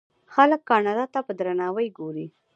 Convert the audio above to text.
خلک کاناډا ته په درناوي ګوري.